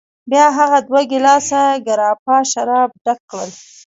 بیا هغه دوه ګیلاسه ګراپا شراب ډک کړل.